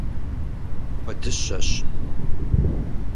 Куэдыщэщ!